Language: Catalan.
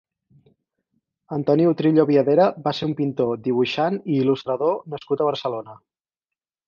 Antoni Utrillo Viadera va ser un pintor, dibuixant i il·lustrador nascut a Barcelona.